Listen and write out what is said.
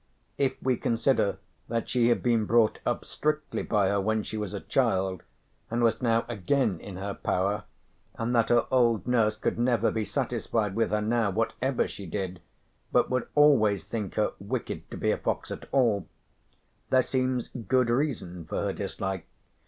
If we consider that she had been brought up strictly by her when she was a child, and was now again in her power, and that her old nurse could never be satisfied with her now whatever she did, but would always think her wicked to be a fox at all, there seems good reason for her dislike.